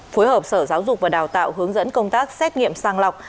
phối hợp sở giáo dục và đào tạo hướng dẫn công tác xét nghiệm sang lọc